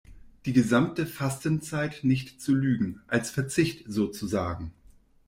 Die gesamte Fastenzeit nicht zu lügen, als Verzicht sozusagen.